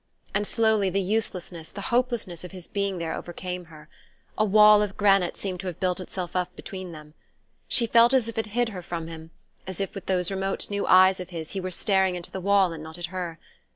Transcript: And slowly the uselessness, the hopelessness of his being there overcame her. A wall of granite seemed to have built itself up between them. She felt as if it hid her from him, as if with those remote new eyes of his he were staring into the wall and not at her.